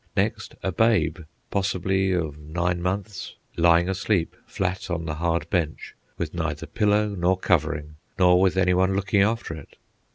Next a babe, possibly of nine months, lying asleep, flat on the hard bench, with neither pillow nor covering, nor with any one looking after it.